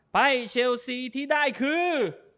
เชลซีที่ได้คือ